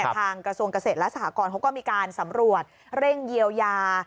กระทรวงเกษตรและสหกรเขาก็มีการสำรวจเร่งเยียวยา